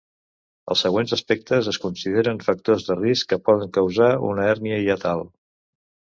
Els següents aspectes es consideren factors de risc que poden causar una hèrnia hiatal.